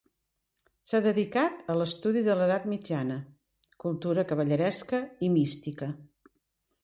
S'ha dedicat a l'estudi de l'Edat Mitjana: cultura cavalleresca i mística.